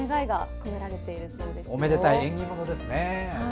おめでたい縁起ものですね。